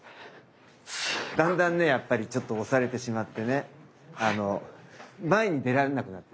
だんだんねやっぱりちょっと押されてしまってね前に出られなくなって。